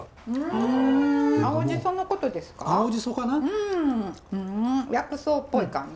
うん薬草っぽい感じ？